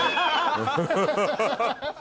ハハハハ。